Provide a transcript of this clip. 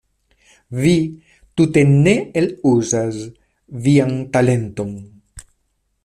Vi tute ne eluzas vian talenton.